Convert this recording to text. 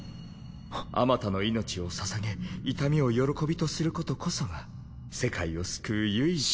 あまたの命をささげ痛みを喜びとすることこそが世界を救う唯一の。